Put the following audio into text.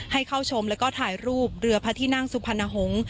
ให้เข้าชมแล้วก็ถ่ายรูปเรือพระที่นั่งสุพรรณหงษ์